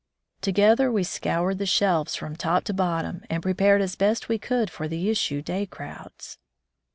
To gether we scoured the shelves from top to bottom and prepared as best we could for the issue day crowds.